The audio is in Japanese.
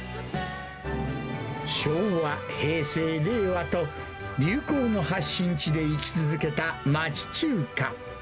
昭和、平成、令和と、流行の発信地で生き続けた町中華。